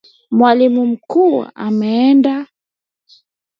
Mwalimu mkuu ameenda.